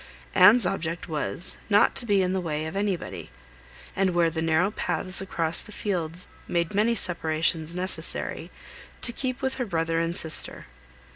Anne's object was, not to be in the way of anybody; and where the narrow paths across the fields made many separations necessary, to keep with her brother and sister.